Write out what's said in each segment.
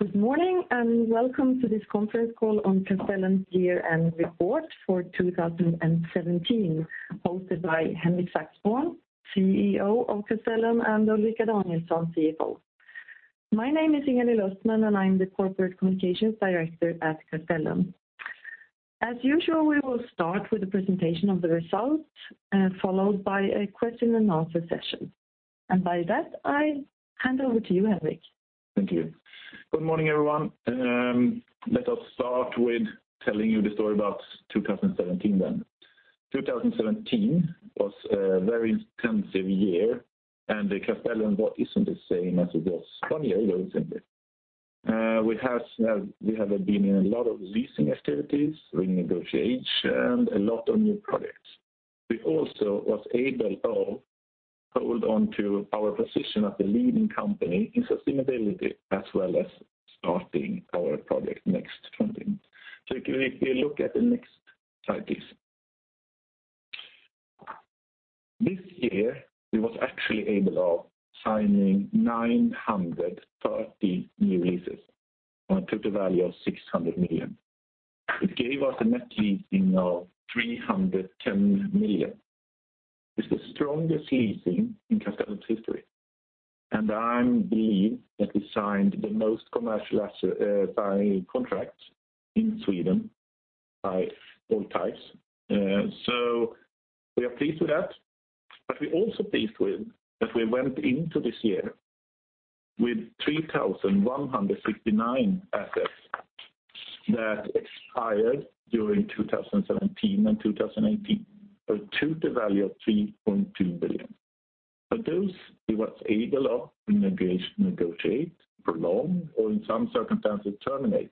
Good morning and welcome to this conference call on Castellum's Year-end Report for 2017, hosted by Henrik Saxborn, CEO of Castellum, and Ulrika Danielsson, CFO. My name is Inger-Li Löstman and I'm the Corporate Communications Director at Castellum. As usual, we will start with a presentation of the results, followed by a question-and-answer session. By that, I hand over to you, Henrik. Thank you. Good morning, everyone. Let us start with telling you the story about 2017 then. 2017 was a very intensive year, and Castellum isn't the same as it was one year ago, simply. We have been in a lot of leasing activities, renegotiation, and a lot of new projects. We also were able to hold on to our position as the leading company in sustainability as well as starting our project Next20. So if you look at the next slide, please. This year, we were actually able to sign 930 new leases on a total value of 600 million. It gave us a net leasing of 310 million. It's the strongest leasing in Castellum's history. And I believe that we signed the most commercial contract in Sweden by all types. So we are pleased with that. But we are also pleased with that we went into this year with 3,169 assets that expired during 2017 and 2018 for a total value of SEK 3.2 billion. Of those, we were able to renegotiate, prolong, or in some circumstances terminate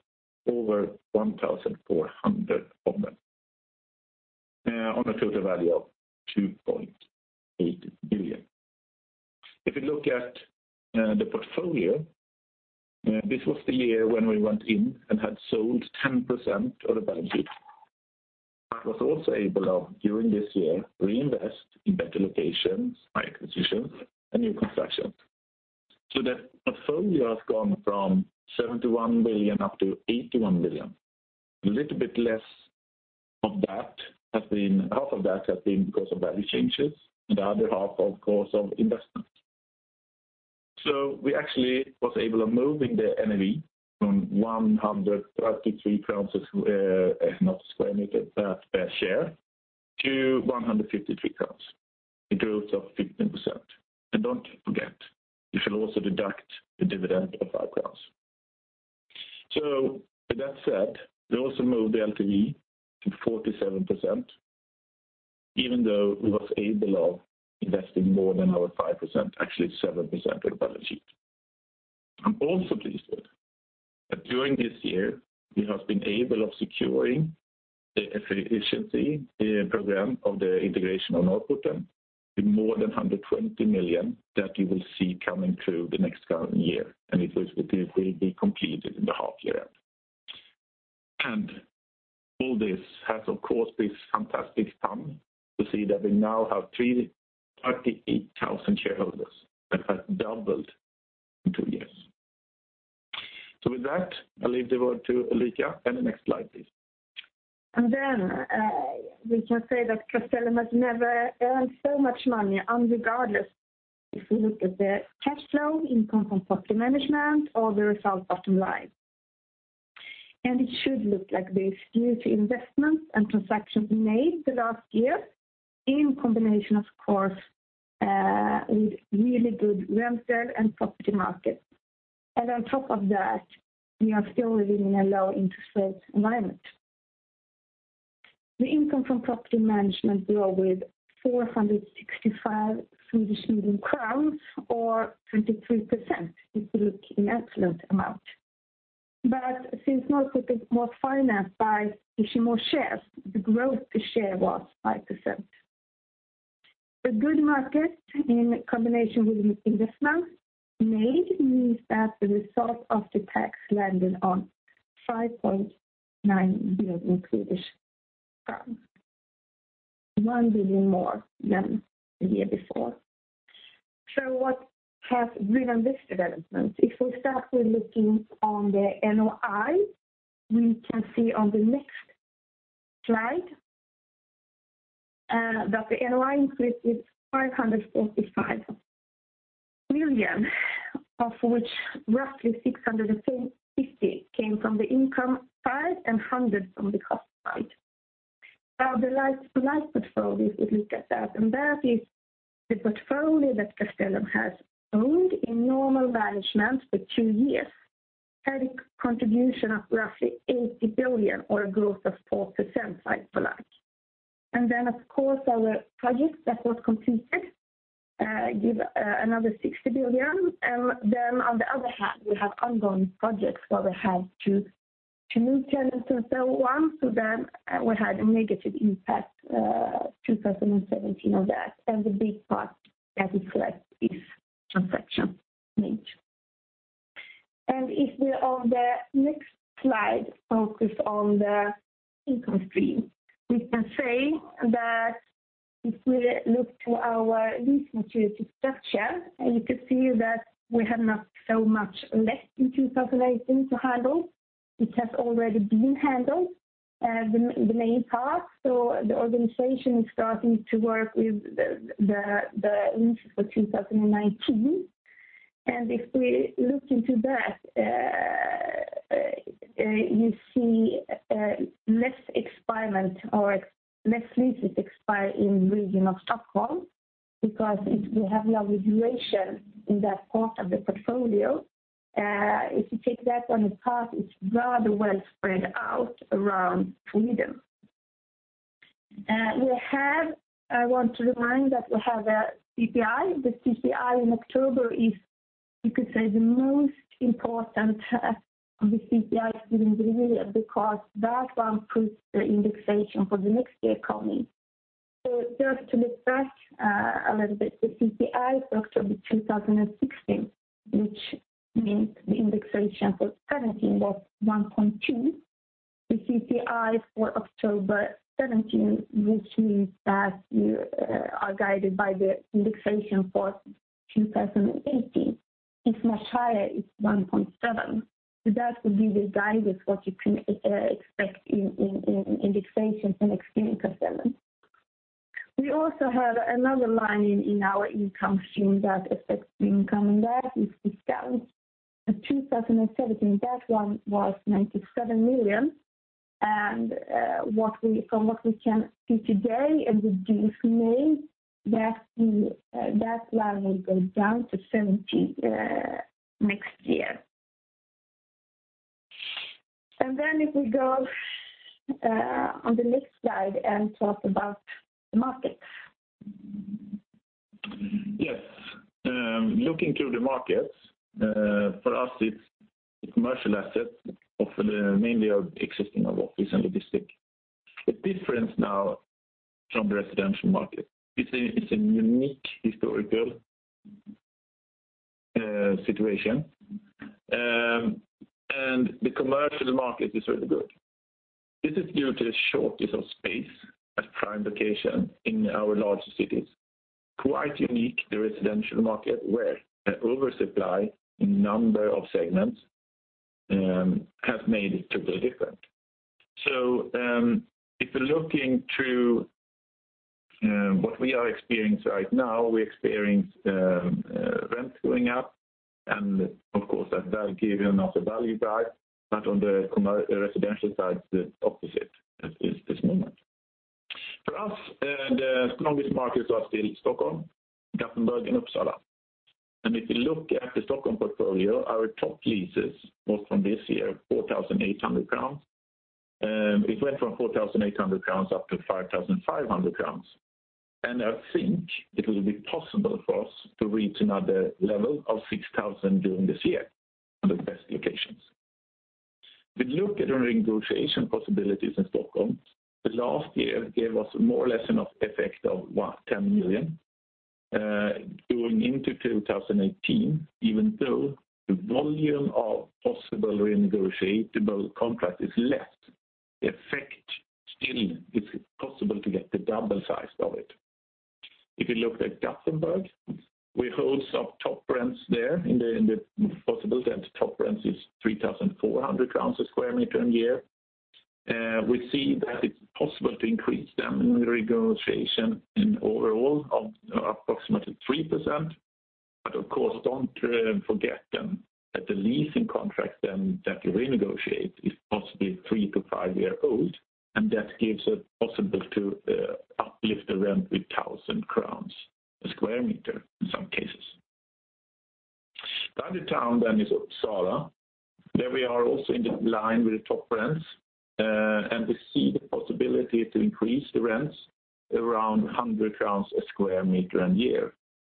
over 1,400 of them on a total value of 2.8 billion. If you look at the portfolio, this was the year when we went in and had sold 10% of the value of the future. But we were also able during this year to reinvest in better locations, higher acquisitions, and new constructions. So the portfolio has gone from 71 billion up to 81 billion. A little bit less of that has been half of that has been because of value changes and the other half, of course, of investments. So we actually were able to move the NAV from 133 per sq m, per share, to 153. It grew 15%. And don't forget, you shall also deduct the dividend of 5 crowns. So with that said, we also moved the LTV to 47%, even though we were able to invest more than our 5%, actually 7% of the balance sheet. I'm also pleased that during this year, we have been able to secure the efficiency program of the integration of Norrporten to more than 120 million that you will see coming through the next year, and it will be completed in the half-year end. And all this has, of course, it's fantastic to see that we now have 338,000 shareholders that have doubled in 2 years. So with that, I'll leave the word to Ulrika, and the next slide, please. Then we can say that Castellum has never earned so much money regardless if we look at the cash flow from property management or the bottom line result. It should look like this due to investments and transactions made last year in combination, of course, with really good rental and property markets. On top of that, we are still living in a low-interest rate environment. The income from property management grew with 465 million crowns, or 23% if you look in absolute amount. But since Norrporten was financed by issue of shares, the growth per share was 5%. A good market in combination with investment made means that the result after tax landed on 5.9 billion Swedish crowns, 1 billion more than the year before. So what has driven this development? If we start with looking at the NOI, we can see on the next slide that the NOI increased with 545 million, of which roughly 650 million came from the income side and 100 million from the cost side. Now, the like-for-like portfolio, if we look at that, and that is the portfolio that Castellum has owned in normal management for two years, had a contribution of roughly 80 million or a growth of 4%, like-for-like. And then, of course, our projects that were completed give another 60 million. And then, on the other hand, we have ongoing projects where we had to move tenants and so on. So then we had a negative impact in 2017 on that. And the big part that is left is transaction made. If we're on the next slide, focus on the income stream, we can say that if we look to our lease maturity structure, you can see that we have not so much left in 2018 to handle. It has already been handled, the main part. The organization is starting to work with the leases for 2019. If we look into that, you see less expiration or less leases expire in the region of Stockholm because we have longer duration in that part of the portfolio. If you take that one apart, it's rather well spread out around Sweden. I want to remind that we have a CPI. The CPI in October is, you could say, the most important of the CPIs during the year because that one puts the indexation for the next year coming. So just to look back a little bit, the CPI for October 2016, which means the indexation for 2017 was 1.2, the CPI for October 2017, which means that you are guided by the indexation for 2018, is much higher. It's 1.7. So that would be the guidance, what you can expect in indexation from next year in Castellum. We also have another line in our income stream that affects the income, and that is discounts. In 2017, that one was 97 million. And from what we can see today and end of May, that line will go down to 70 million next year. And then if we go on the next slide and talk about the markets. Yes. Looking through the markets, for us, it's commercial assets mainly existing of office and logistic. The difference now from the residential market is a unique historical situation. The commercial market is very good. This is due to the shortage of space at prime location in our larger cities. Quite unique, the residential market, where oversupply in a number of segments has made it totally different. So if we're looking through what we are experiencing right now, we're experiencing rents going up, and of course, that gives another value drive. But on the residential side, it's the opposite at this moment. For us, the strongest markets are still Stockholm, Gothenburg, and Uppsala. And if you look at the Stockholm portfolio, our top leases were from this year, 4,800 crowns. It went from 4,800 crowns up to 5,500 crowns. I think it will be possible for us to reach another level of 6,000 during this year on the best locations. If we look at renegotiation possibilities in Stockholm, the last year gave us more or less enough effect of 10 million. Going into 2018, even though the volume of possible renegotiable contracts is less, the effect still is possible to get the double size of it. If you looked at Gothenburg, we hold some top rents there in the possibility, and the top rent is 3,400 crowns a sq m a year. We see that it's possible to increase them in renegotiation overall of approximately 3%. But of course, don't forget that the leasing contracts that you renegotiate are possibly three to five years old, and that gives us the possibility to uplift the rent with 1,000 crowns a sq m in some cases. The other town then is Uppsala. There we are also in the line with the top rents, and we see the possibility to increase the rents around 100 crowns a square meter a year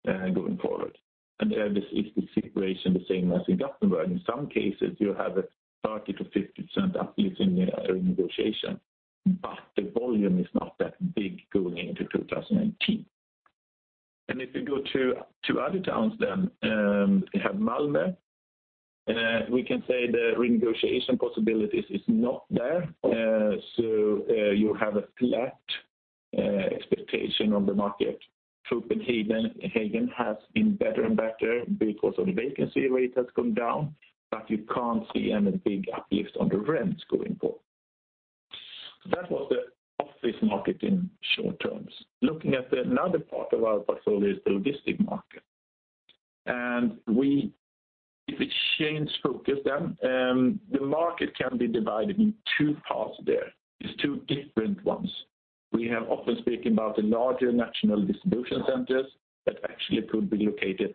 going forward. This is the situation the same as in Gothenburg. In some cases, you have a 30% to 50% uplift in renegotiation, but the volume is not that big going into 2018. If you go to other towns then, you have Malmö. We can say the renegotiation possibilities are not there. You have a flat expectation on the market. Copenhagen has been better and better because the vacancy rate has gone down, but you can't see any big uplift on the rents going forward. That was the office market in short. Looking at another part of our portfolio is the logistic market. If we change focus then, the market can be divided in two parts there. It's two different ones. We have often speaking about the larger national distribution centers that actually could be located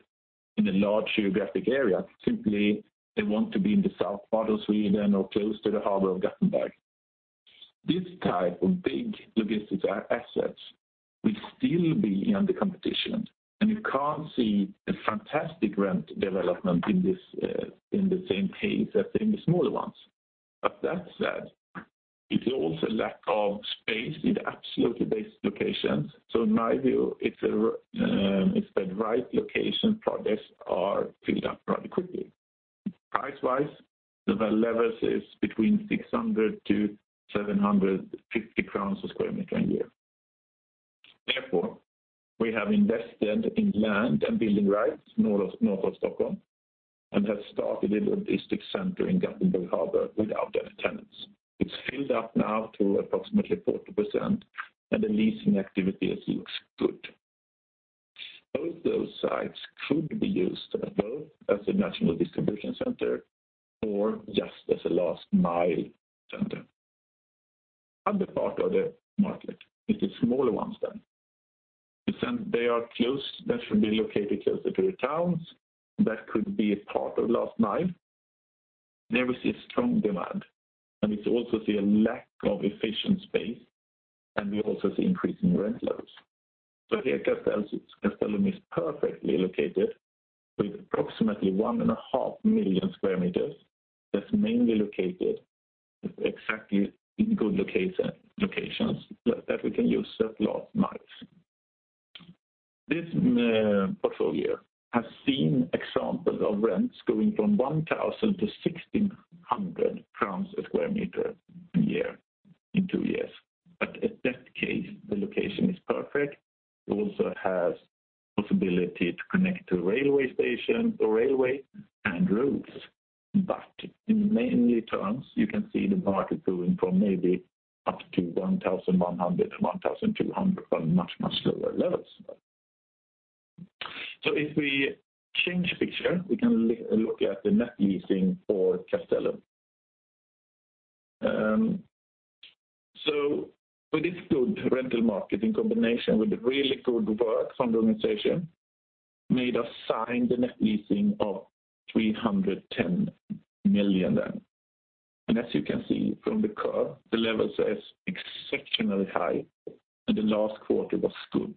in a large geographic area. Simply, they want to be in the south part of Sweden or close to the harbor of Gothenburg. This type of big logistics assets will still be under competition, and you can't see the fantastic rent development in the same pace as in the smaller ones. But that said, it's also a lack of space in the absolutely best locations. So in my view, it's the right location projects are filled up rather quickly. Price-wise, the level is between 600-750 crowns a sq m a year. Therefore, we have invested in land and building rights north of Stockholm and have started a logistics center in Gothenburg Harbor without any tenants. It's filled up now to approximately 40%, and the leasing activity looks good. Both those sites could be used both as a national distribution center or just as a last-mile center. The other part of the market is the smaller ones then. They are close. They should be located closer to the towns. That could be a part of last mile. There is a strong demand, and we also see a lack of efficient space, and we also see increasing rent levels. So here Castellum is perfectly located with approximately 1.5 million square meters that's mainly located exactly in good locations that we can use at last miles. This portfolio has seen examples of rents going from 1,000 to 600 per sq m per year in two years. But in that case, the location is perfect. It also has the possibility to connect to a railway station or railway and roads. But in main terms, you can see the market going from maybe up to 1,100 to 1,200 on much, much lower levels. So if we change the picture, we can look at the net leasing for Castellum. So with this good rental market in combination with really good work from the organization, made us sign the net leasing of 310 million then. And as you can see from the curve, the level says exceptionally high, and the last quarter was good.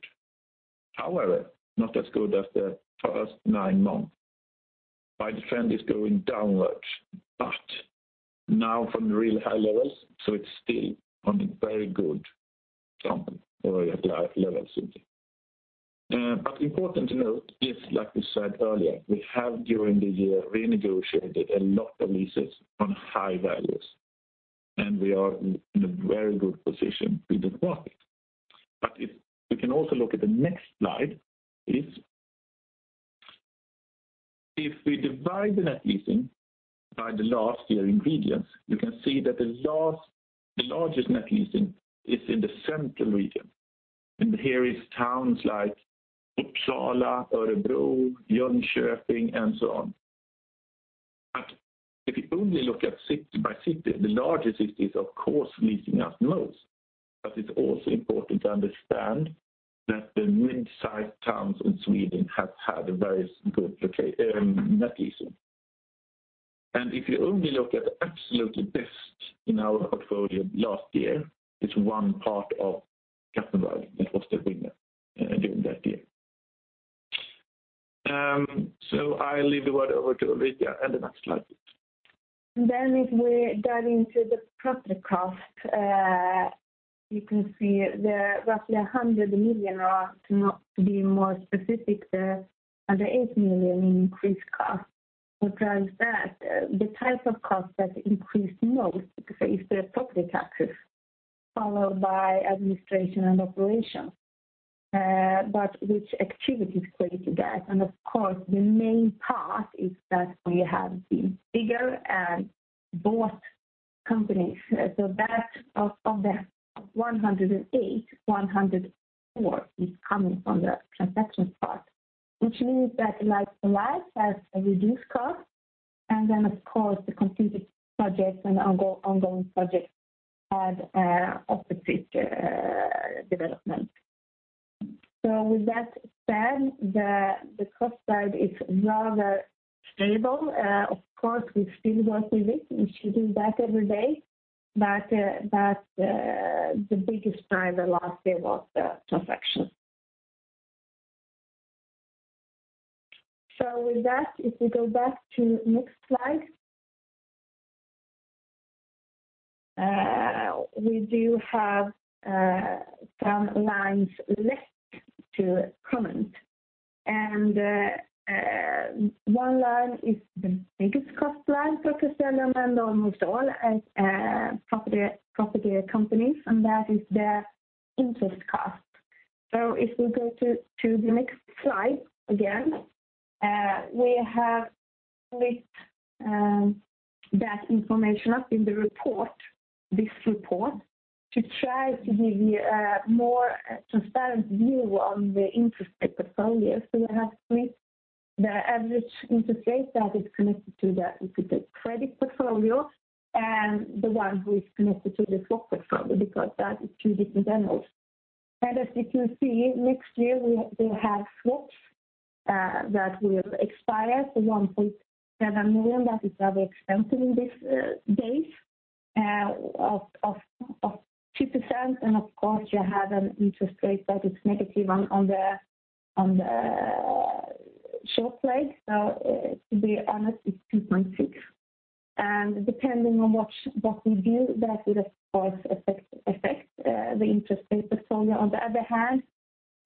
However, not as good as the first nine months. By the trend, it's going downwards, but now from the really high levels, so it's still on a very good level simply. But important to note is, like we said earlier, we have during the year renegotiated a lot of leases on high values, and we are in a very good position with the market. But if we can also look at the next slide, if we divide the net letting by the last year's lettings, you can see that the largest net letting is in the central region. And here are towns like Uppsala, Örebro, Jönköping, and so on. But if you only look at city by city, the largest is, of course, Stockholm is most. But it's also important to understand that the mid-sized towns in Sweden have had a very good net letting. If you only look at the absolutely best in our portfolio last year, it's one part of Gothenburg that was the winner during that year. I leave the word over to Ulrika and the next slide. And then if we dive into the property costs, you can see there are roughly 100 million, or to be more specific, under 8 million in increased cost. What drives that? The type of cost that increased most is property taxes, followed by administration and operation, but which activities created that? And of course, the main part is that when you have the bigger of both companies, so that of the 108 million, 104 million is coming from the transactions part, which means that like for like has a reduced cost. And then, of course, the completed projects and ongoing projects had opposite development. So with that said, the cost side is rather stable. Of course, we still work with it. We should do that every day. But the biggest driver last year was the transactions. So with that, if we go back to the next slide, we do have some lines left to comment. And one line is the biggest cost line for Castellum and almost all property companies, and that is their interest cost. So if we go to the next slide again, we have split that information up in the report, this report, to try to give you a more transparent view on the interest rate portfolio. So we have split the average interest rate that is connected to the, you could say, credit portfolio and the one who is connected to the swap portfolio because that is two different angles. And as you can see, next year, we will have swaps that will expire for 1.7 million. That is rather expensive in these days of 2%. And of course, you have an interest rate that is negative on the short leg. So to be honest, it's 2.6. And depending on what we do, that would, of course, affect the interest rate portfolio. On the other hand,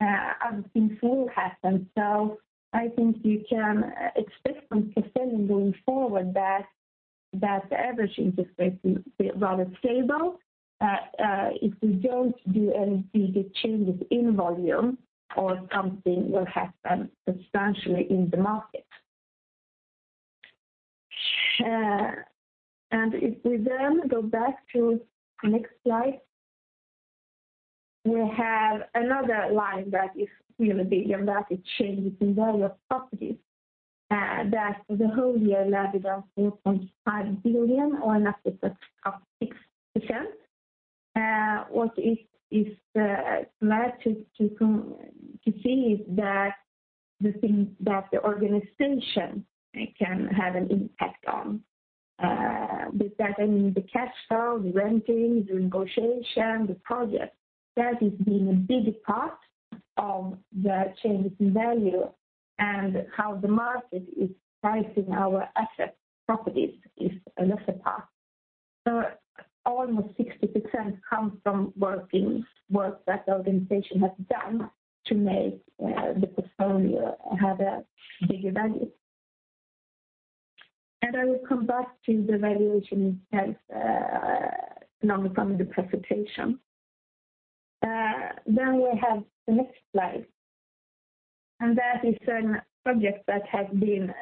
other things will happen. So I think you can expect from Castellum going forward that the average interest rate will be rather stable. If we don't do any bigger changes in volume or something, we'll have them substantially in the market. And if we then go back to the next slide, we have another line that is really big on that is changes in value of properties. That for the whole year, we have around 4.5 billion or an upwards of 6%. What it is rare to see is that the things that the organization can have an impact on. With that, I mean the cash flow, the renting, the renegotiation, the projects. That is being a big part of the changes in value and how the market is pricing our assets, properties, is another part. So almost 60% comes from work that the organization has done to make the portfolio have a bigger value. And I will come back to the valuation itself longer from the presentation. Then we have the next slide. And that is a project that has been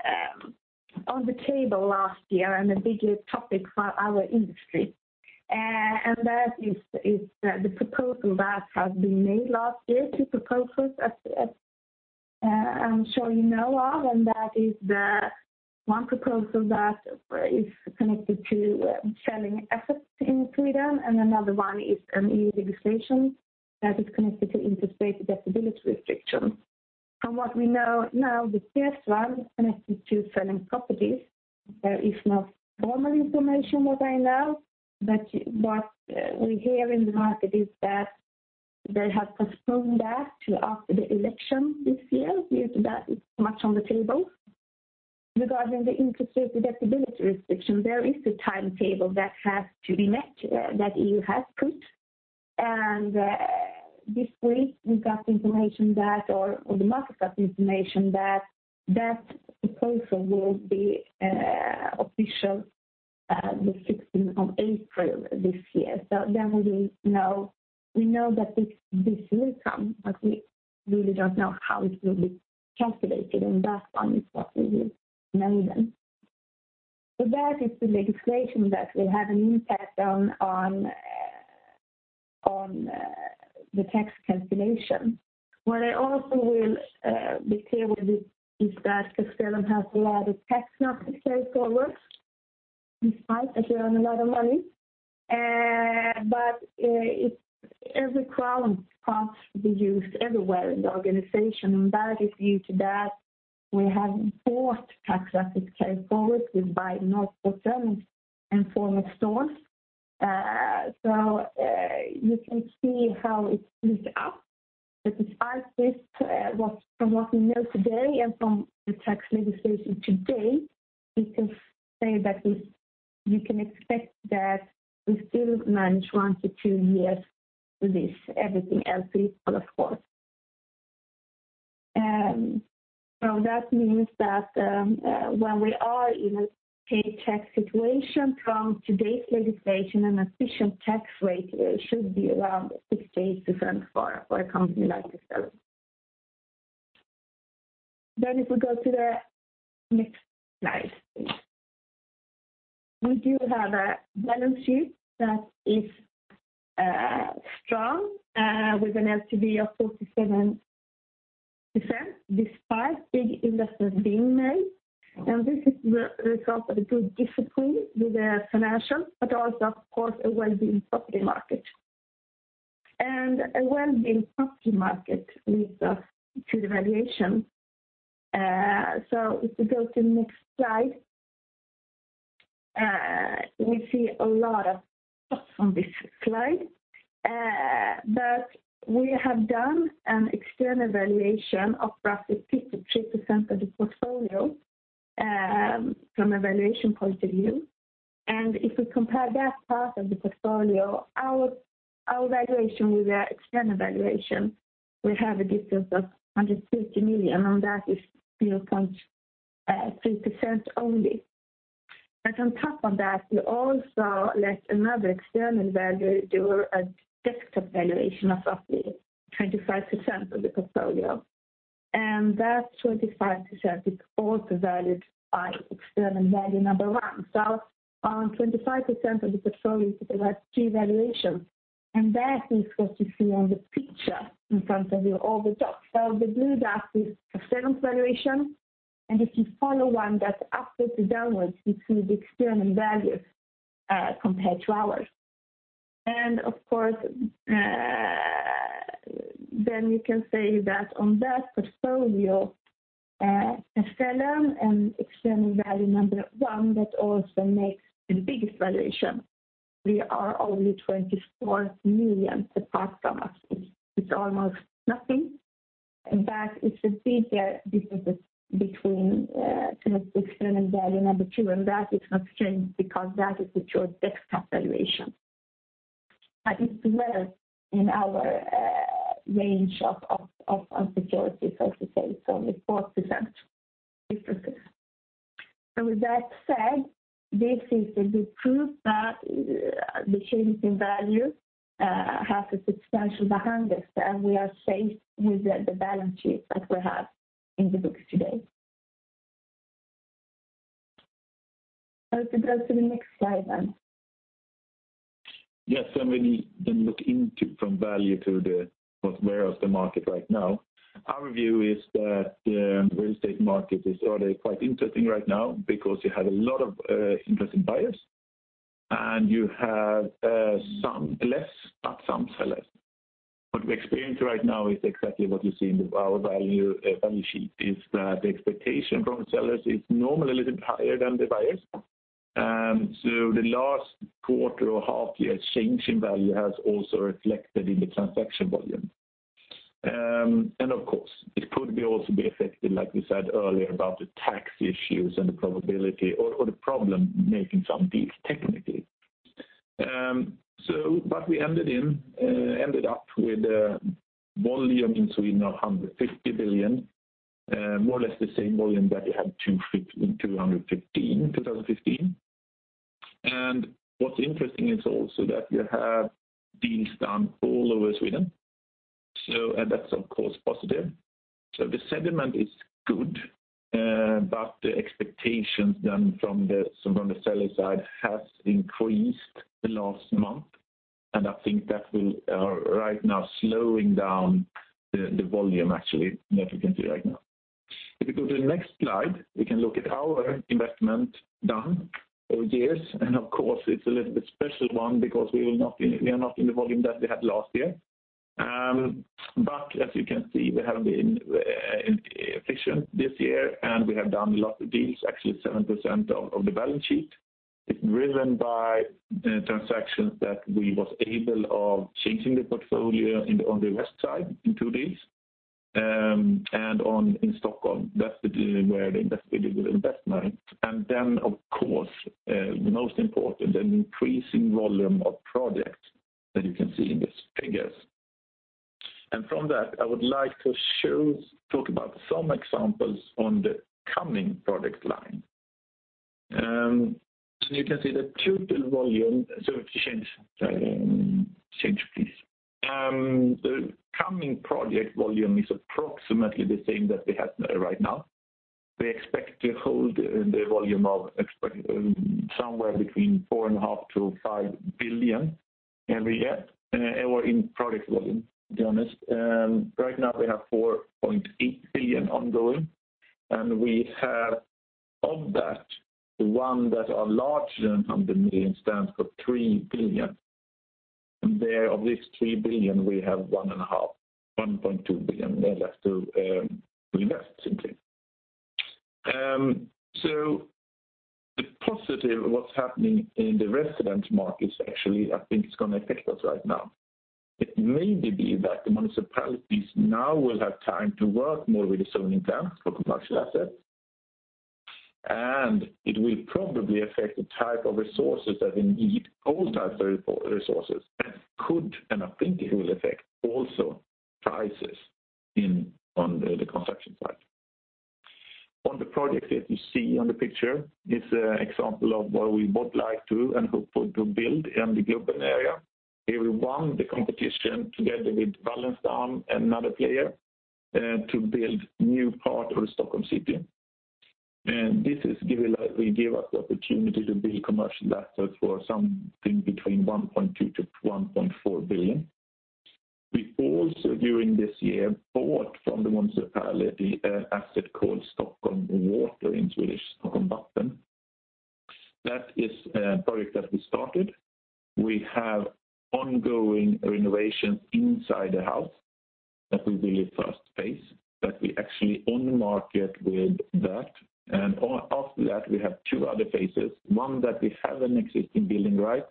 on the table last year and a bigger topic for our industry. And that is the proposal that has been made last year, two proposals I'm sure you know of. And that is one proposal that is connected to selling assets in Sweden, and another one is an EU legislation that is connected to interest rate deductibility restrictions. From what we know now, the first one is connected to selling properties. There is no formal information what I know. But what we hear in the market is that they have postponed that to after the election this year due to that it's too much on the table. Regarding the interest rate deductibility restriction, there is a timetable that has to be met that E.U. has put. And this week, we got the information that, or the market got the information, that that proposal will be official the 16th of April this year. So then we will know. We know that this will come, but we really don't know how it will be calculated. And that one is what we will know then. So that is the legislation that will have an impact on the tax calculation. What I also will be clear with this is that Castellum has a lot of tax margin going forward despite that we earn a lot of money. But every crown can't be used everywhere in the organization. And that is due to that we have bought tax assets going forward with buying Norrporten and former stores. So you can see how it's split up. But despite this, from what we know today and from the tax legislation today, we can say that you can expect that we still manage 1 to 2 years with this. Everything else is, of course. So that means that when we are in a paid tax situation, from today's legislation, an effective tax rate should be around 68% for a company like Castellum. Then if we go to the next slide, please. We do have a balance sheet that is strong with an LTV of 47% despite big investments being made. And this is the result of a good discipline with the financials, but also, of course, a well-being property market. A well-being property market leads us to the valuation. So if we go to the next slide, we see a lot of stuff on this slide. But we have done an external valuation of roughly 53% of the portfolio from a valuation point of view. And if we compare that part of the portfolio, our valuation with the external valuation, we have a difference of 150 million, and that is 0.3% only. But on top of that, we also let another external valuer do a desktop valuation of roughly 25% of the portfolio. And that 25% is also valued by external valuer number one. So on 25% of the portfolio, you could have three valuations. And that is what you see on the picture in front of your overhead. So the blue dot is Castellum's valuation. If you follow one that's upwards or downwards, you see the external values compared to ours. Of course, then you can say that on that portfolio, Castellum and external value number one that also makes the biggest valuation, we are only 24 million apart from it. It's almost nothing. But it's a bigger difference between the external value number two, and that is not strange because that is the pure desktop valuation. But it's well in our range of uncertainties, so to say, so only 4% differences. With that said, this is a good proof that the changes in value have substance behind us, and we are safe with the balance sheet that we have in the books today. If we go to the next slide then. Yes, and when you then look into from value to where is the market right now, our view is that the real estate market is rather quite interesting right now because you have a lot of interested buyers, and you have some less, but some sellers. What we're experiencing right now is exactly what you see in our value sheet, is that the expectation from sellers is normally a little bit higher than the buyers. So the last quarter or half-year change in value has also reflected in the transaction volume. And of course, it could also be affected, like we said earlier, about the tax issues and the probability or the problem making some deals technically. But we ended up with a volume in Sweden of 150 billion, more or less the same volume that you had in 2015. What's interesting is also that you have deals done all over Sweden. So that's, of course, positive. So the sentiment is good, but the expectations then from the seller side have increased the last month. And I think that will right now slowing down the volume, actually, that we can see right now. If we go to the next slide, we can look at our investment done over years. And of course, it's a little bit special one because we are not in the volume that we had last year. But as you can see, we have been efficient this year, and we have done a lot of deals. Actually, 7% of the balance sheet is driven by transactions that we were able of changing the portfolio on the west side in two deals and in Stockholm. That's where the investment was investment. Then, of course, the most important, an increasing volume of projects that you can see in these figures. From that, I would like to talk about some examples on the coming projects line. You can see the total volume change, please. The coming project volume is approximately the same that we have right now. We expect to hold the volume of somewhere between 4.5 billion to 5 billion every year in project volume, to be honest. Right now, we have 4.8 billion ongoing. We have, of that, the one that are larger than 100 million stands for 3 billion. There, of these 3 billion, we have 1.2 billion left to invest, simply. So the positive what's happening in the residential markets, actually, I think it's going to affect us right now. It may be that the municipalities now will have time to work more with the zoning plans for commercial assets. It will probably affect the type of resources that we need, all types of resources. It could, and I think it will affect also prices on the construction side. On the projects that you see on the picture is an example of what we would like to and hope to build in the Globen area. We won the competition together with Wallenstam, another player, to build a new part of Stockholm City. This will give us the opportunity to build commercial assets for something between 1.2 billion to 1.4 billion. We also, during this year, bought from the municipality an asset called Stockholm Water in Swedish, Stockholm Vatten. That is a project that we started. We have ongoing renovations inside the house that we believe first phase that we actually on-market with that. And after that, we have two other phases, one that we have an existing building right,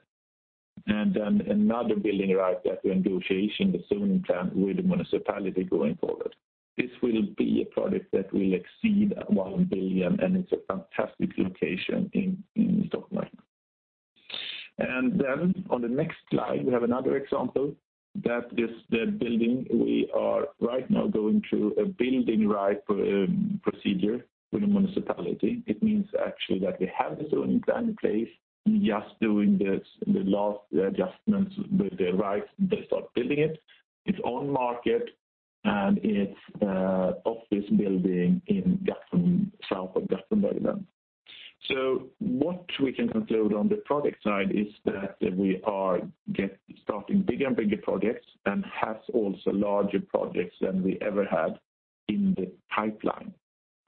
and then another building right that we're negotiating the zoning plan with the municipality going forward. This will be a project that will exceed 1 billion, and it's a fantastic location in Stockholm right now. And then on the next slide, we have another example. That is the building. We are right now going through a building right procedure with the municipality. It means actually that we have a zoning plan in place. We're just doing the last adjustments with the rights to start building it. It's on-market, and it's an office building in south of Gothenburg then. So what we can conclude on the project side is that we are starting bigger and bigger projects and have also larger projects than we ever had in the pipeline.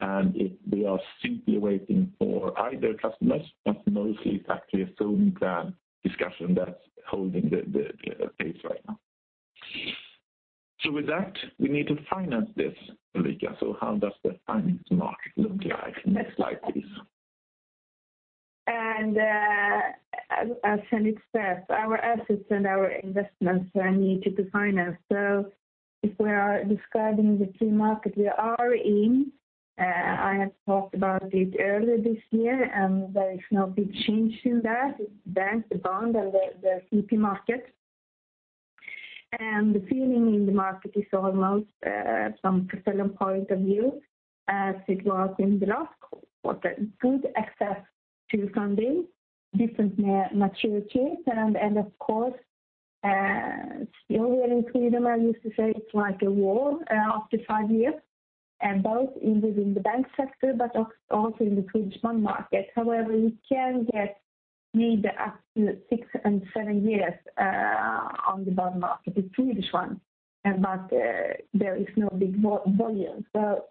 And we are simply waiting for either customers, but mostly it's actually a zoning plan discussion that's holding the pace right now. So with that, we need to finance this, Ulrika. So how does the finance market look like? Next slide, please. As I said in the start, our assets and our investments are needed to finance. So if we are describing the free market we are in, I have talked about it earlier this year, and there is no big change in that. It's the bank, the bond, and the CP market. And the feeling in the market is almost, from Castellum's point of view, as it was in the last quarter, good access to funding, different maturities. And of course, still here in Sweden, I used to say it's like a war after five years, both within the bank sector but also in the Swedish bond market. However, you can get neither up to six and seven years on the bond market, the Swedish one, but there is no big volume. So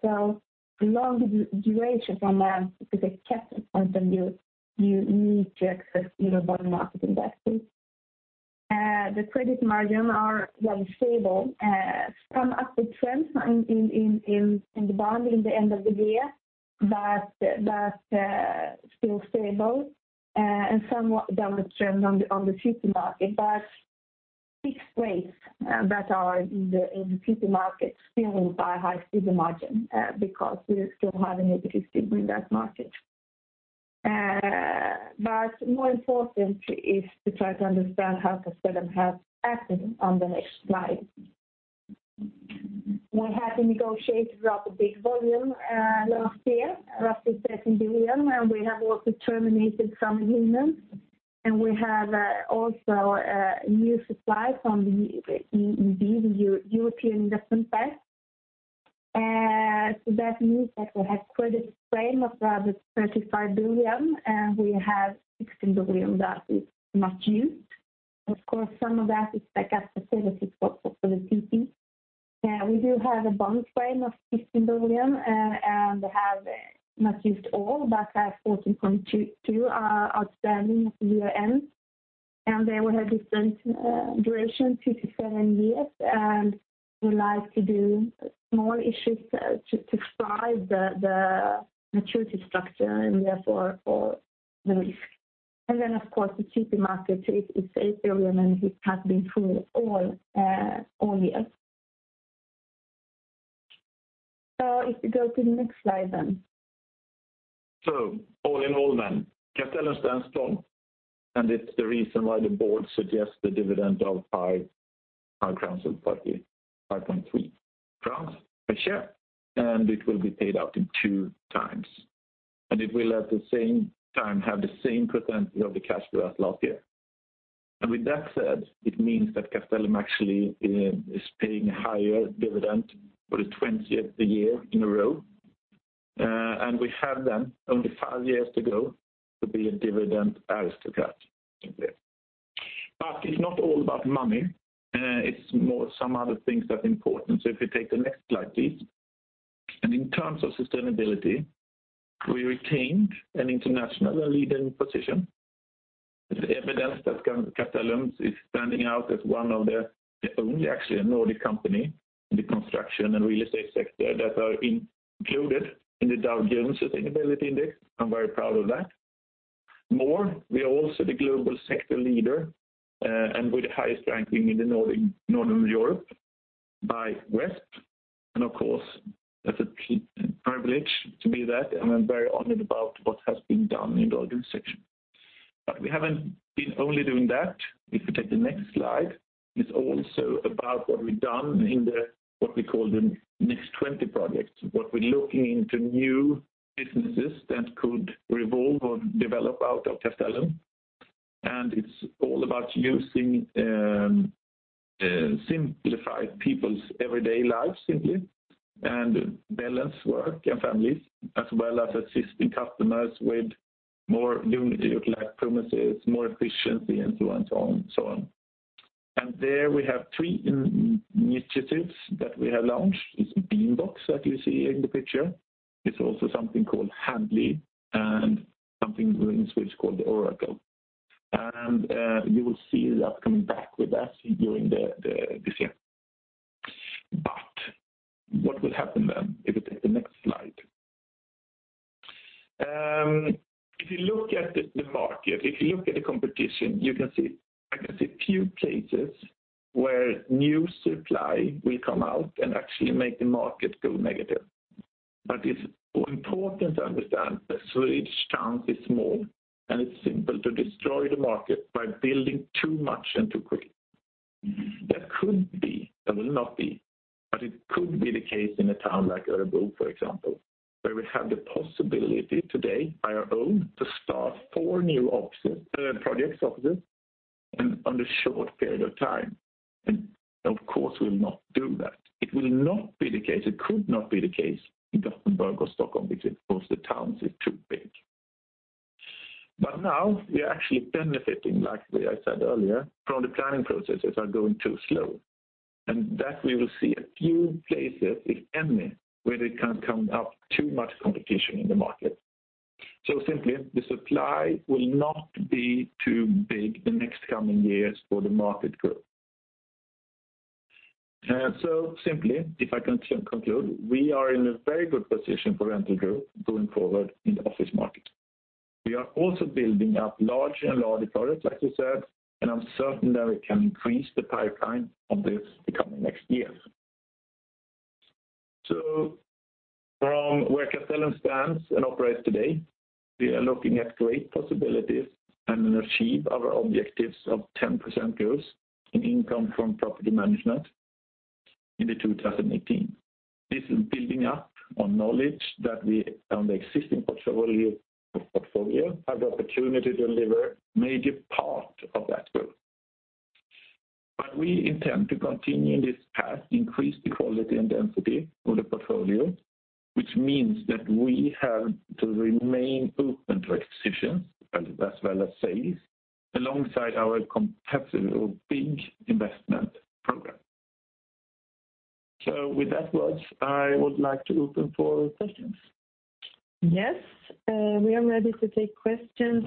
a long duration from a, you could say, capital point of view, you need to access your bond market investments. The credit margins are rather stable. Some upward trends in the bond in the end of the year, but still stable, and some downward trends on the CP market. But fixed rates that are in the CP market still imply high CP margin because we still have a negative CP in that market. But more important is to try to understand how Castellum has acted on the next slide. We have to negotiate rather big volume last year, roughly 13 billion, and we have also terminated some agreements. And we have also new supply from the EIB, the European Investment Bank. So that means that we have credit frame of rather 35 billion, and we have 16 billion that is not used. Of course, some of that is backup facilities for the CP. We do have a bond frame of 15 billion and have not used all but have 14.2 billion outstanding at the year-end. And they will have different duration, 2 to 7 years, and we like to do small issues to thrive the maturity structure and therefore the risk. And then, of course, the CP market is SEK 8 billion, and it has been full all year. If we go to the next slide then. So all in all then, Castellum stands strong, and it's the reason why the board suggests the dividend of 5.3 crowns per share, and it will be paid out in two times. And it will, at the same time, have the same percentage of the cash flow as last year. And with that said, it means that Castellum actually is paying a higher dividend for the 20th year in a row. And we have then only five years to go to be a dividend aristocrat, simply. But it's not all about money. It's more some other things that are important. So if we take the next slide, please. And in terms of sustainability, we retained an international and leading position. It's evidence that Castellum is standing out as one of the only, actually, a Nordic company in the construction and real estate sector that are included in the Dow Jones Sustainability Index. I'm very proud of that. More, we are also the global sector leader and with the highest ranking in Northern Europe by GRESB. And of course, it's a privilege to be that. I'm very honored about what has been done in the organization. But we haven't been only doing that. If we take the next slide, it's also about what we've done in what we call the Next20 projects, what we're looking into new businesses that could revolve or develop out of Castellum. And it's all about using simplified people's everyday lives, simply, and balanced work and families, as well as assisting customers with more utility premises, more efficiency, and so on and so on. And there we have three initiatives that we have launched. It's Beambox, that you see in the picture. It's also something called Handly and something in Swedish called Oracle. And you will see us coming back with that during this year. But what will happen then? If we take the next slide. If you look at the market, if you look at the competition, you can see I can see a few cases where new supply will come out and actually make the market go negative. But it's important to understand that Swedish towns are small, and it's simple to destroy the market by building too much and too quickly. That could be and will not be. But it could be the case in a town like Örebro, for example, where we have the possibility today on our own to start four new projects—offices in a short period of time. And of course, we will not do that. It will not be the case. It could not be the case in Gothenburg or Stockholm because the towns are too big. But now we are actually benefiting, like I said earlier, from the planning processes going too slow. And that we will see a few places, if any, where there can come up too much competition in the market. So simply, the supply will not be too big the next coming years for the market growth. So simply, if I can conclude, we are in a very good position for rental growth going forward in the office market. We are also building up larger and larger projects, like you said, and I'm certain that we can increase the pipeline of this the coming next years. So from where Castellum stands and operates today, we are looking at great possibilities and achieve our objectives of 10% growth in income from property management in 2018. This is building up on knowledge that we, on the existing portfolio, have the opportunity to deliver a major part of that growth. But we intend to continue in this path, increase the quality and density of the portfolio, which means that we have to remain open to acquisitions as well as sales alongside our competitive or big investment program. So with that words, I would like to open for questions. Yes. We are ready to take questions.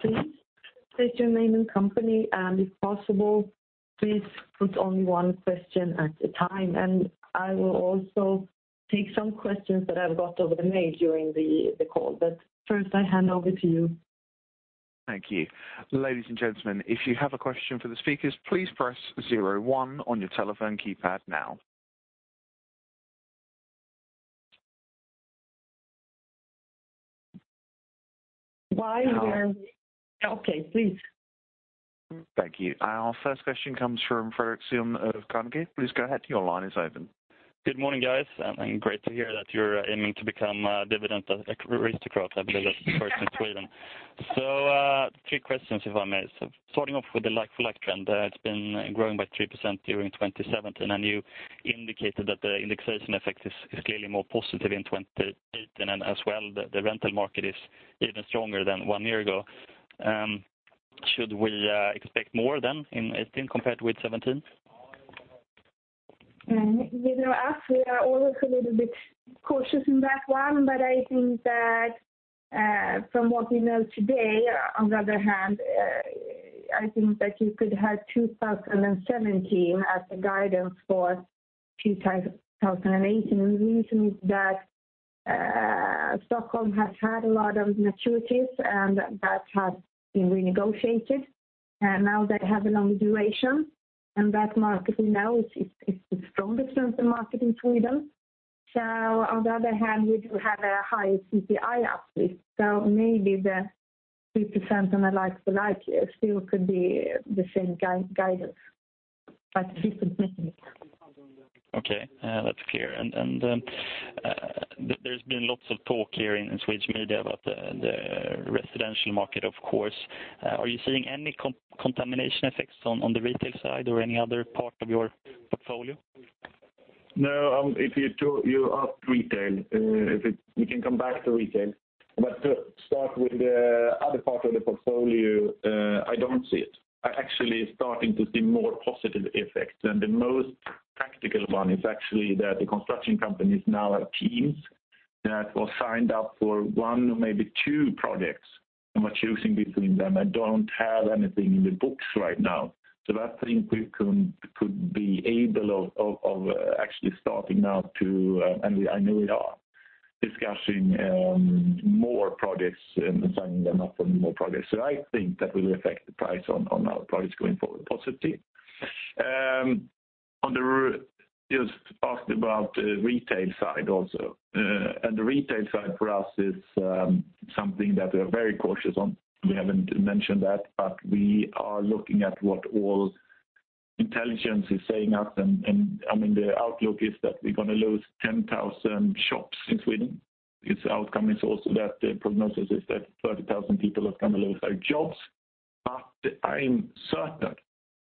Please state your name and company. If possible, please put only one question at a time. I will also take some questions that I've got over the mail during the call. But first, I hand over to you. Thank you. Ladies and gentlemen, if you have a question for the speakers, please press 01 on your telephone keypad now. Why we are okay. Please. Thank you. Our first question comes from Fredrik Cyon of Carnegie. Please go ahead. Your line is open. Good morning, guys. Great to hear that you're aiming to become a Dividend Aristocrat. I believe that's the first in Sweden. Three questions, if I may. Starting off with the like-for-like trend, it's been growing by 3% during 2017. You indicated that the indexation effect is clearly more positive in 2018. As well, the rental market is even stronger than one year ago. Should we expect more then in 2018 compared with 2017? You know what? We are always a little bit cautious in that one. But I think that from what we know today, on the other hand, I think that you could have 2017 as a guidance for 2018. And the reason is that Stockholm has had a lot of maturities, and that has been renegotiated. And now they have a longer duration. And that market, we know, is the strongest rental market in Sweden. So on the other hand, we do have a higher CPI uplift. So maybe the 3% on a like-for-like year still could be the same guidance, but different mechanics. Okay. That's clear. There's been lots of talk here in Swedish media about the residential market, of course. Are you seeing any contamination effects on the retail side or any other part of your portfolio? No. If you ask retail, we can come back to retail. To start with the other part of the portfolio, I don't see it. I'm actually starting to see more positive effects. The most practical one is actually that the construction companies now have teams that were signed up for one or maybe two projects and were choosing between them. I don't have anything in the books right now. So that thing could be able to actually starting now too, and I know we are discussing more projects and signing them up for more projects. So I think that will affect the price on our projects going forward positively. You asked about the retail side also. The retail side for us is something that we are very cautious on. We haven't mentioned that. We are looking at what all intelligence is saying to us. I mean, the outlook is that we're going to lose 10,000 shops in Sweden. The outcome is also that the prognosis is that 30,000 people are going to lose their jobs. But I'm certain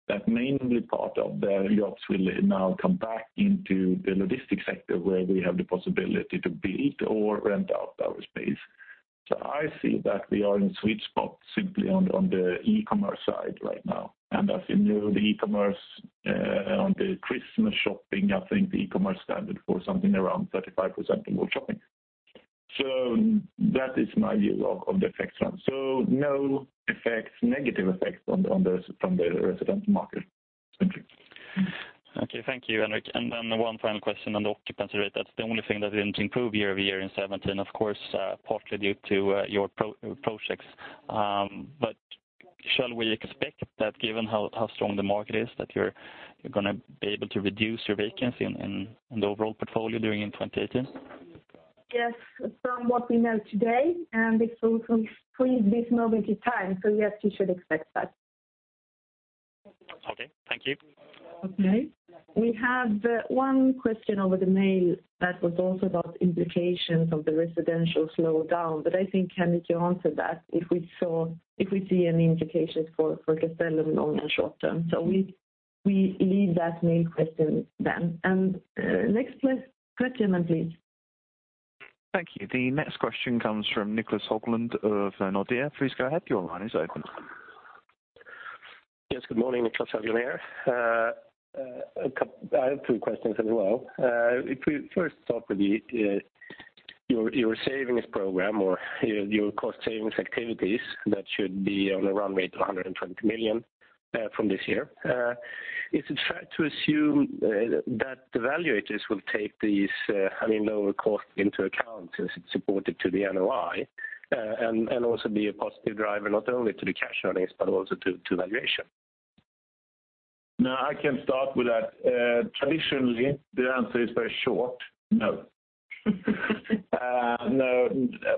that mainly part of their jobs will now come back into the logistics sector where we have the possibility to build or rent out our space. So I see that we are in a sweet spot simply on the e-commerce side right now. And as you know, the e-commerce on the Christmas shopping, I think the e-commerce standard for something around 35% of all shopping. So that is my view of the effects run. So no effects, negative effects from the residential market, simply. Okay. Thank you, Henrik. And then one final question on the occupancy rate. That's the only thing that didn't improve year-over-year in 2017, of course, partly due to your projects. But shall we expect that given how strong the market is, that you're going to be able to reduce your vacancy in the overall portfolio during 2018? Yes, from what we know today. It's also freeze this moment in time. Yes, you should expect that. Okay. Thank you. Okay. We have one question over the mail that was also about implications of the residential slowdown. But I think, Henrik, you answered that if we see any implications for Castellum long and short term. So we leave that mail question then. And next question, then, please. Thank you. The next question comes from Niclas Höglund of Nordea. Please go ahead. Your line is open. Yes. Good morning, Niclas Höglund here. I have two questions as well. If we first start with your savings program or your cost-savings activities that should be on a run rate of 120 million from this year, is it fair to assume that the valuators will take these, I mean, lower costs into account as it's supported to the NOI and also be a positive driver not only to the cash earnings but also to valuation? No. I can start with that. Traditionally, the answer is very short: no. No.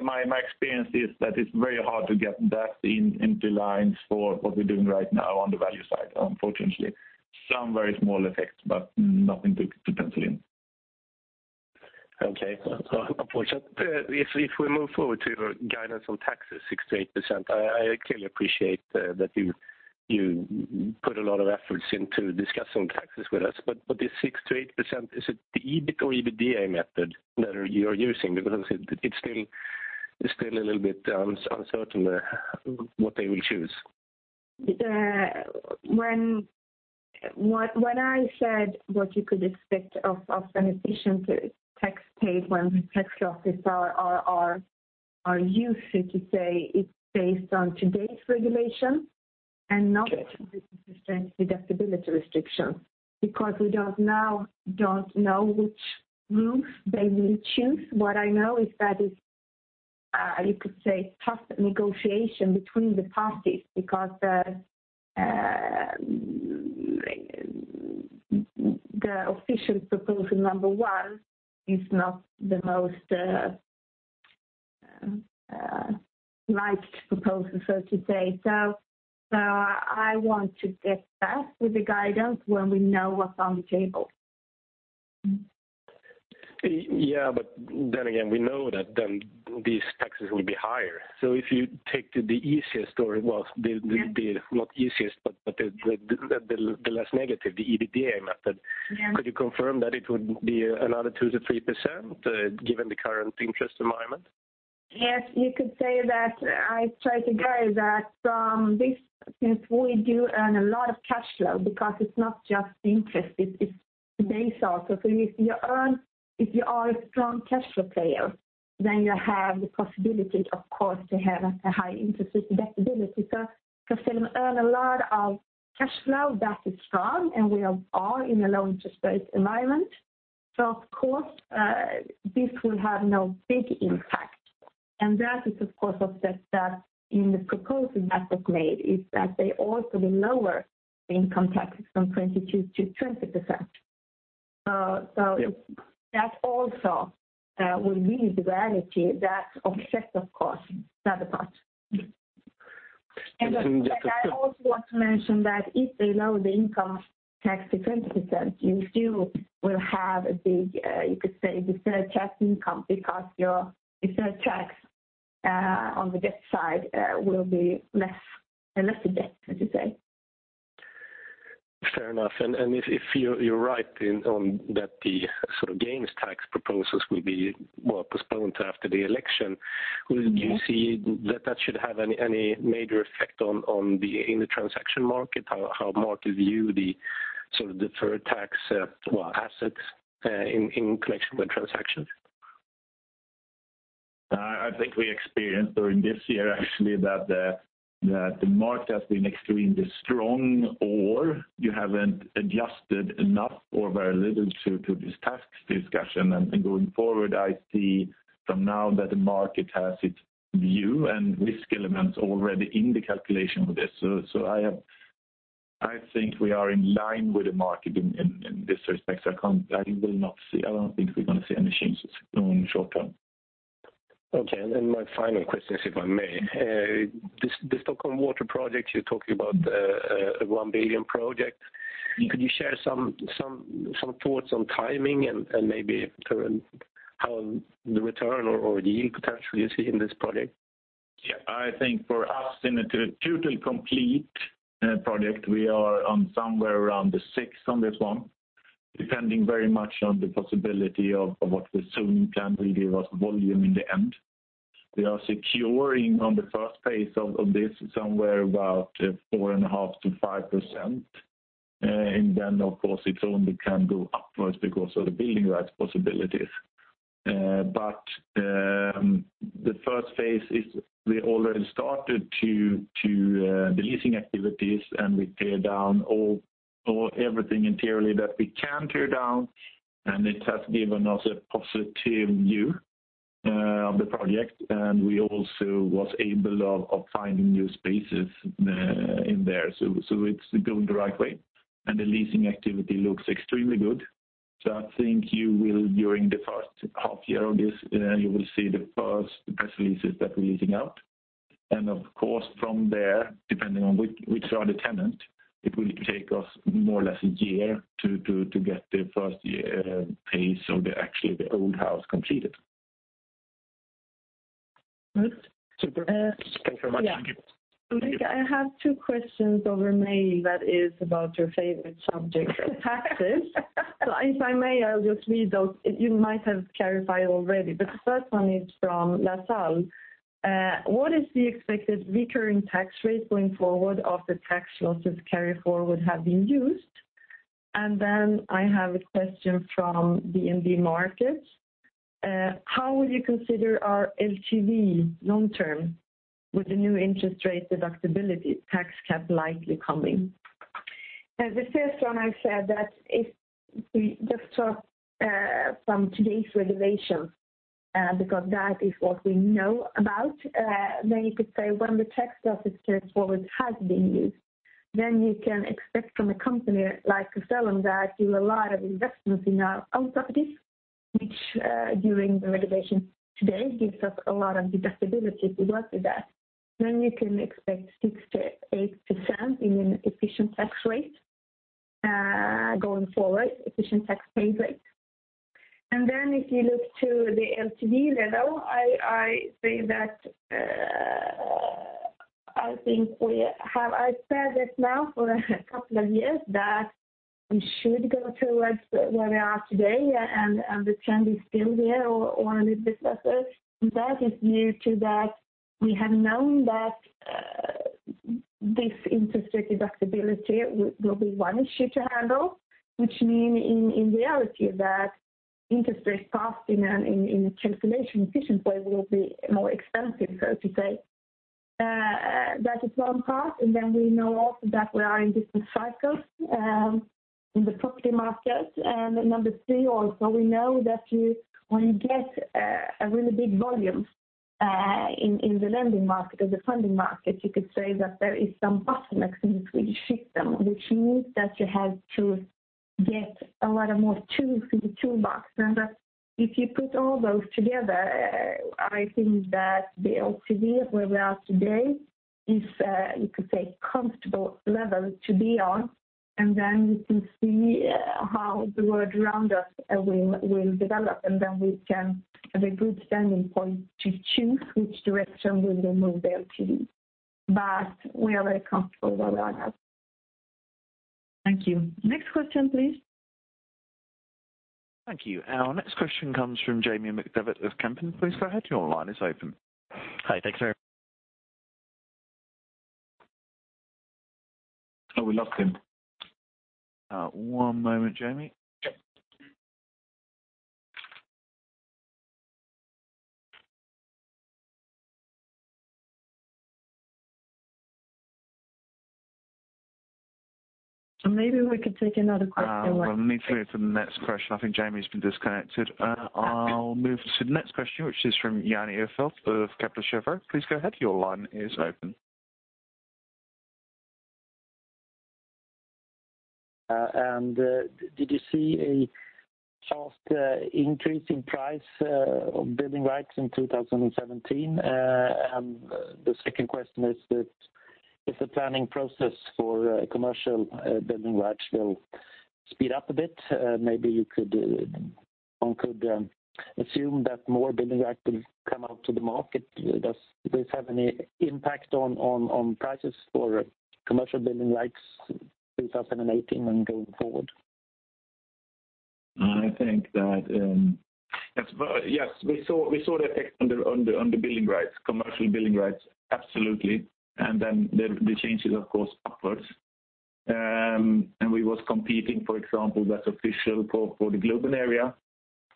My experience is that it's very hard to get that into lines for what we're doing right now on the value side, unfortunately. Some very small effects, but nothing to pencil in. Okay. Unfortunately. If we move forward to your guidance on taxes, 6% to 8%, I clearly appreciate that you put a lot of efforts into discussing taxes with us. But this 6% to 8%, is it the EBIT or EBITDA method that you are using? Because it's still a little bit uncertain what they will choose. When I said what you could expect of an efficient tax paid when tax losses are used, so to say, it's based on today's regulation and not the strength deductibility restrictions. Because we now don't know which rules they will choose. What I know is that it's, you could say, tough negotiation between the parties because the official proposal number one is not the most liked proposal, so to say. So I want to get back with the guidance when we know what's on the table. Yeah. But then again, we know that then these taxes will be higher. So if you take the easiest or well, the not easiest, but the less negative, the EBITDA method, could you confirm that it would be another 2% to 3% given the current interest environment? Yes. You could say that I try to guide that from this since we do earn a lot of cash flow because it's not just interest. It's taxes also. So if you are a strong cash flow player, then you have the possibility, of course, to have a high interest rate deductibility. So Castellum earn a lot of cash flow that is strong, and we are in a low-interest rate environment. So of course, this will have no big impact. And that is, of course, offset that in the proposal that was made is that they also will lower the income taxes from 22% to 20%. So that also will be the reality that offsets, of course, the other part. That's understood. But I also want to mention that if they lower the income tax to 20%, you still will have a big, you could say, deferred tax income because your deferred tax on the debt side will be less of a debt, so to say. Fair enough. And if you're right on that the sort of gains tax proposals will be, well, postponed after the election, do you see that that should have any major effect in the transaction market, how markets view the sort of deferred tax, well, assets in connection with transactions? I think we experienced during this year, actually, that the market has been extremely strong or you haven't adjusted enough or very little to this tax discussion. Going forward, I see from now that the market has its view and risk elements already in the calculation with this. I think we are in line with the market in this respect. I don't think we're going to see any changes in the short term. Okay. And my final question, if I may. The Stockholm Vatten project, you're talking about a 1 billion project. Could you share some thoughts on timing and maybe how the return or yield potentially you see in this project? Yeah. I think for us, in a total complete project, we are on somewhere around the 6% on this one, depending very much on the possibility of what the zoning plan will give us volume in the end. We are securing on the first phase of this somewhere about 4.5% to 5%. And then, of course, it only can go upwards because of the building rights possibilities. But the first phase is we already started to the leasing activities, and we tear down everything interiorly that we can tear down. And it has given us a positive view of the project. And we also was able of finding new spaces in there. So it's going the right way. And the leasing activity looks extremely good. So I think during the first half year of this, you will see the first press releases that we're leasing out. Of course, from there, depending on which are the tenant, it will take us more or less a year to get the first phase of actually the old house completed. Super. Thanks very much. Thank you. Henrik, I have two questions over mail that is about your favorite subject, taxes. So if I may, I'll just read those. You might have clarified already. But the first one is from LaSalle. What is the expected recurring tax rate going forward of the tax losses carried forward have been used? And then I have a question from DNB Markets. How would you consider our LTV long-term with the new interest rate deductibility tax cap likely coming? The first one, I said that if we just talk from today's regulation because that is what we know about, then you could say when the tax losses carried forward have been used, then you can expect from a company like Castellum that do a lot of investments in our own properties, which during the regulation today gives us a lot of deductibility if we work with that. Then you can expect 6% to 8% in an efficient tax rate going forward, efficient tax paid rate. And then if you look to the LTV level, I say that I think I've said this now for a couple of years that we should go towards where we are today, and the trend is still here or a little bit lesser. And that is due to that we have known that this interest rate deductibility will be one issue to handle, which mean in reality that interest rates passed in a calculation efficient way will be more expensive, so to say. That is one part. And then we know also that we are in different cycles in the property market. And number three also, we know that when you get a really big volume in the lending market or the funding market, you could say that there is some bottlenecks in the Swedish system, which means that you have to get a lot of more tools in the toolbox. And if you put all those together, I think that the LTV of where we are today is, you could say, a comfortable level to be on. And then you can see how the world around us will develop. Then we can have a good starting point to choose which direction we will move the LTV. We are very comfortable where we are now. Thank you. Next question, please. Thank you. Our next question comes from Jamie McDevitt of Kempen & Co. Please go ahead. Your line is open. Hi. Thanks very much. Oh, we lost him. One moment, Jamie. Yep. Maybe we could take another question while. I'll move through to the next question. I think Jamie's been disconnected. I'll move to the next question, which is from Jan Ihrfelt of Kepler Cheuvreux. Please go ahead. Your line is open. Did you see a fast increase in price of building rights in 2017? The second question is if the planning process for commercial building rights will speed up a bit. Maybe one could assume that more building rights will come out to the market. Does this have any impact on prices for commercial building rights 2018 and going forward? I think that yes. Yes. We saw the effect on the building rights, commercial building rights, absolutely. And then the change is, of course, upwards. And we was competing, for example, that's official for the Globen area.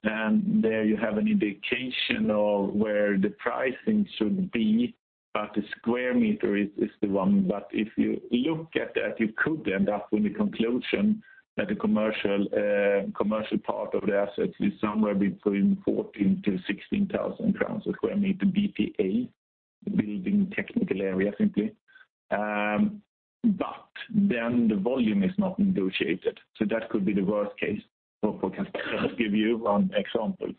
And there you have an indication of where the pricing should be. But the square meter is the one. But if you look at that, you could end up in the conclusion that the commercial part of the assets is somewhere between 14,000 to 16,000 crowns a square meter BTA, building technical area, simply. But then the volume is not negotiated. So that could be the worst case for Castellum to give you one example.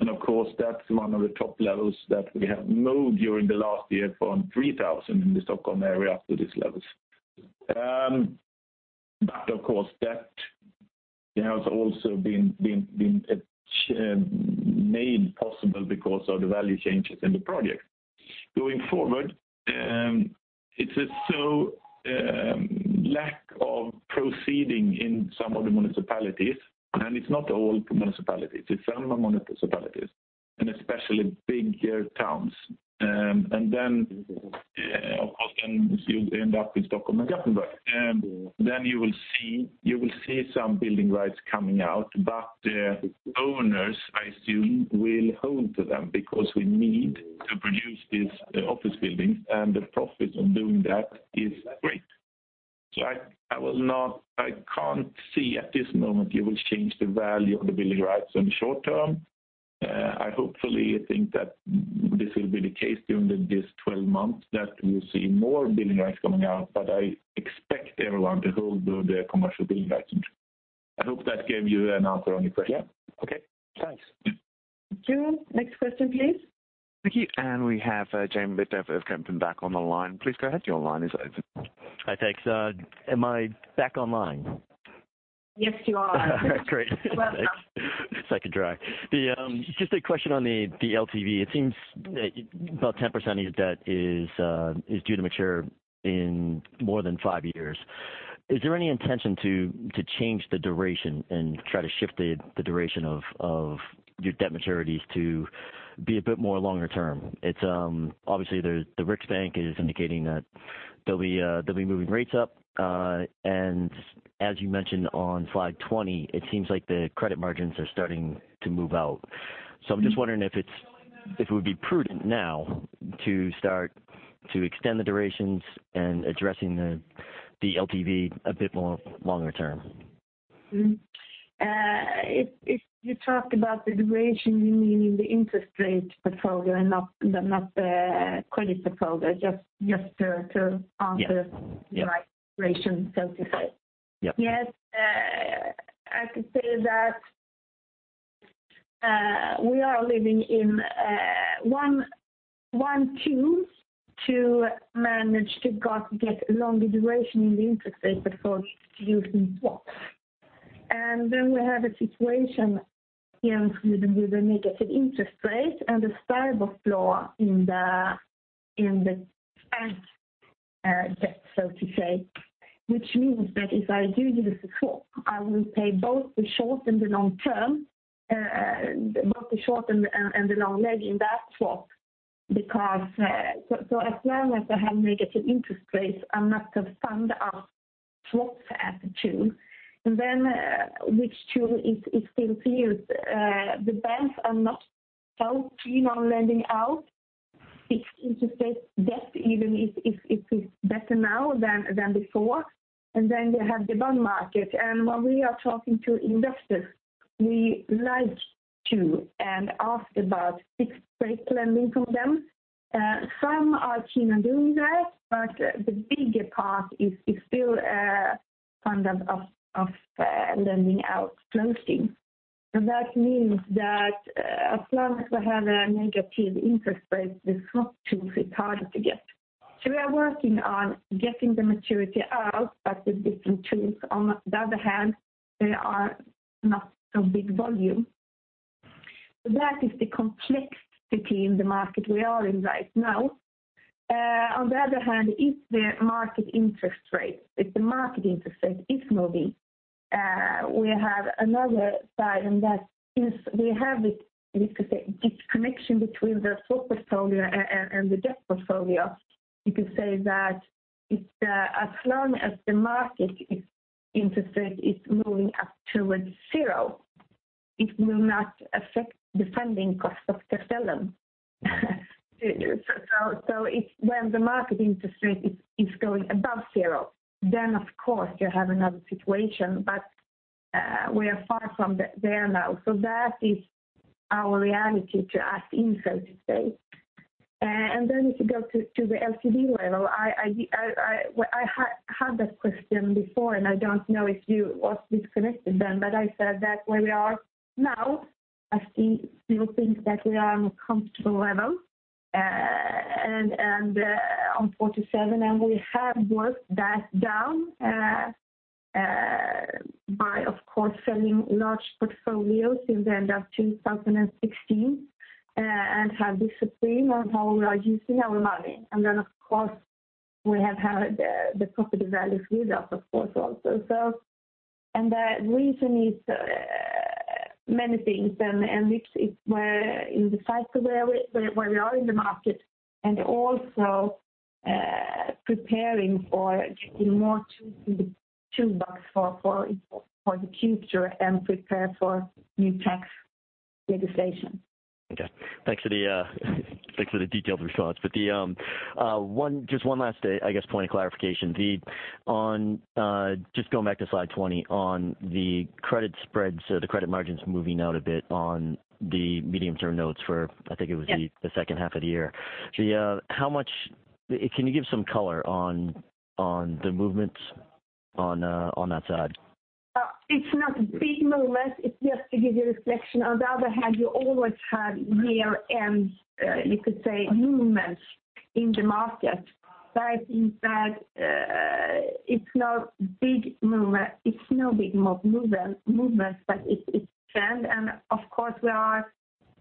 And of course, that's one of the top levels that we have moved during the last year from 3,000 in the Stockholm area to these levels. But of course, that has also been made possible because of the value changes in the project. Going forward, it's a lack of proceeding in some of the municipalities. And it's not all municipalities. It's some municipalities and especially bigger towns. And then, of course, then you end up in Stockholm and Gothenburg. Then you will see some building rights coming out. But owners, I assume, will hold to them because we need to produce these office buildings. And the profit of doing that is great. So I can't see at this moment you will change the value of the building rights in the short term. I hopefully think that this will be the case during this 12 months that we'll see more building rights coming out. But I expect everyone to hold to the commercial building rights in the short term. I hope that gave you an answer on your question. Yeah. Okay. Thanks. Thank you. Next question, please. Thank you. We have Jamie McDevitt of Kempen & Co back on the line. Please go ahead. Your line is open. Hi. Thanks. Am I back online? Yes, you are. Great. Welcome. Second try. Just a question on the LTV. It seems about 10% of your debt is due to mature in more than five years. Is there any intention to change the duration and try to shift the duration of your debt maturities to be a bit more longer term? Obviously, the Riksbank is indicating that they'll be moving rates up. And as you mentioned on slide 20, it seems like the credit margins are starting to move out. So I'm just wondering if it would be prudent now to start to extend the durations and addressing the LTV a bit more longer term. If you talk about the duration, you mean in the interest rate portfolio and not the credit portfolio? Just to answer the right duration, so to say. Yep. Yes. I could say that we are living in one tool to manage to get a longer duration in the interest rate portfolio to use in swaps. We have a situation here in Sweden with a negative interest rate and a Stibor floor in the bank debt, so to say, which means that if I do use a swap, I will pay both the short and the long term, both the short and the long leg in that swap because as long as I have negative interest rates, I must have funded up swaps at the tool. Which tool is still to use? The banks are not so keen on lending out fixed interest rate debt even if it's better now than before. You have the bond market. When we are talking to investors, we like to ask about fixed rate lending from them. Some are keen on doing that, but the bigger part is still kind of lending out floating. That means that as long as we have a negative interest rate, the swap tools is harder to get. We are working on getting the maturity out but with different tools. On the other hand, there are not so big volume. That is the complexity in the market we are in right now. On the other hand, if the market interest rate, if the market interest rate is moving, we have another side in that we have this connection between the swap portfolio and the debt portfolio. You could say that as long as the market interest rate is moving up towards zero, it will not affect the funding cost of Castellum. So when the market interest rate is going above zero, then, of course, you have another situation. But we are far from there now. So that is our reality to act in, so to say. And then if you go to the LTV level, I had that question before, and I don't know if you was disconnected then, but I said that where we are now, I still think that we are on a comfortable level on 47. And we have worked that down by, of course, selling large portfolios in the end of 2016 and have discipline on how we are using our money. And then, of course, we have had the property values with us, of course, also. And the reason is many things. It's in the cycle where we are in the market and also preparing for getting more tools in the toolbox for the future and prepare for new tax legislation. Got it. Thanks for the detailed response. But just one last, I guess, point of clarification. Just going back to slide 20 on the credit spreads, the credit margins moving out a bit on the medium-term notes for, I think it was the second half of the year. Can you give some color on the movements on that side? It's not a big movement. It's just to give you a reflection. On the other hand, you always have year-end, you could say, movements in the market. That means that it's no big movement. It's no big movement, but it's trend. And of course,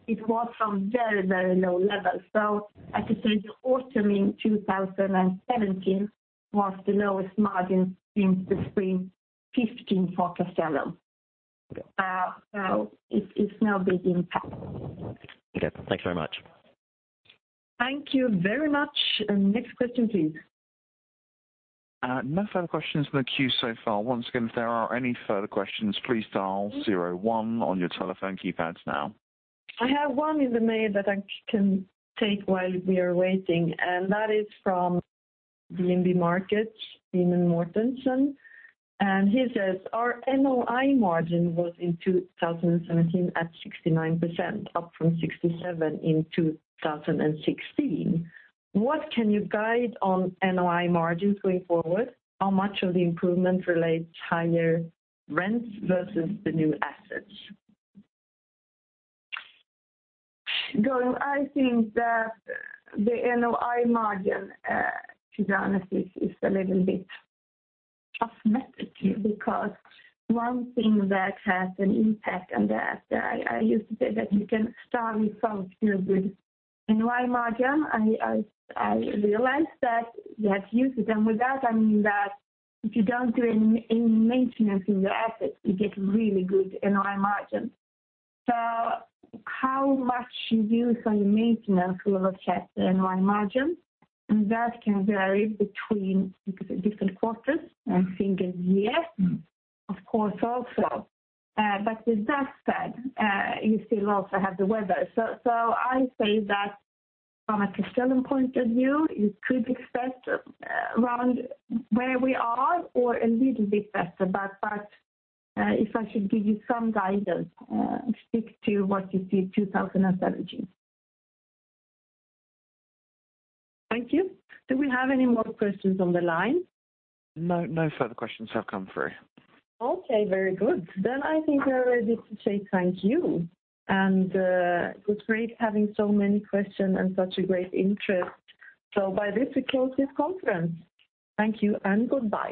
it was from very, very low levels. So I could say the autumn in 2017 was the lowest margin since the spring 2015 for Castellum. So it's no big impact. Okay. Thanks very much. Thank you very much. Next question, please. No further questions on the queue so far. Once again, if there are any further questions, please dial 01 on your telephone keypads now. I have one in the mail that I can take while we are waiting. That is from DNB Markets, Simen Mortensen. And he says, "Our NOI margin was in 2017 at 69%, up from 67% in 2016. What can you guide on NOI margins going forward? How much of the improvement relates higher rents versus the new assets?" I think that the NOI margin, to be honest, is a little bit cosmetic because one thing that has an impact on that, I used to say that you can start with some good NOI margin. I realized that you have to use it. And with that, I mean that if you don't do any maintenance in your assets, you get really good NOI margin. So how much use on your maintenance will affect the NOI margin? And that can vary between different quarters and single year, of course, also. But with that said, you still also have the weather. So I say that from a Castellum point of view, you could expect around where we are or a little bit better. But if I should give you some guidance, stick to what you see in 2017. Thank you. Do we have any more questions on the line? No further questions have come through. Okay. Very good. Then I think we're ready to say thank you. And it was great having so many questions and such a great interest. So by this, we close this conference. Thank you and goodbye.